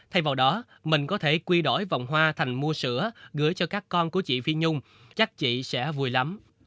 thay vào đó mình có thể quy đổi vòng hoa thành mua sữa gửi cho các con của chị phi nhung chắc chị sẽ vui lắm